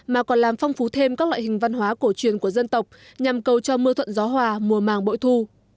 mà còn làm phong phú thêm các loại hình văn hóa cổ truyền của dân tộc nhằm cầu cho mưa thuận gió hòa mùa màng bội thu